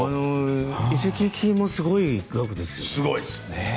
移籍金もすごい額ですよね。